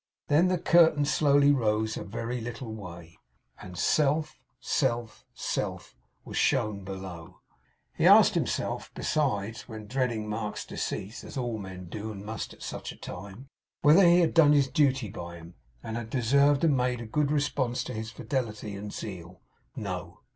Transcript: Then the curtain slowly rose a very little way; and Self, Self, Self, was shown below. He asked himself, besides, when dreading Mark's decease (as all men do and must, at such a time), whether he had done his duty by him, and had deserved and made a good response to his fidelity and zeal. No.